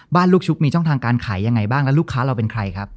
ลูกชุบมีช่องทางการขายยังไงบ้างแล้วลูกค้าเราเป็นใครครับ